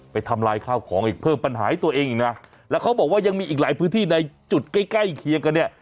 ทำลายข้าวของอีกเพิ่มปัญหาให้ตัวเองอีกนะแล้วเขาบอกว่ายังมีอีกหลายพื้นที่ในจุดใกล้ใกล้เคียงกันเนี่ย